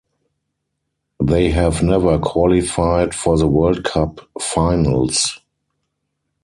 They have never qualified for the World Cup finals.